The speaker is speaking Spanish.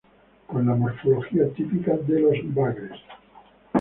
Con la morfología típica de los bagres.